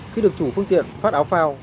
khi được chủ phương tiện phát áo phao